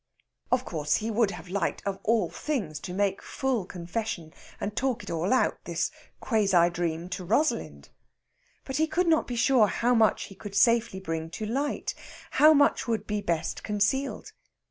Of course, he would have liked, of all things, to make full confession, and talk it all out this quasi dream to Rosalind; but he could not be sure how much he could safely bring to light, how much would be best concealed.